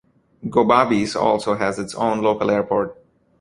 Gobabis also has its own local Airport.